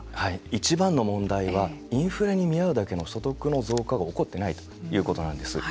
いちばんの問題はインフレに見合うだけの所得の増加が起こってないということなんです。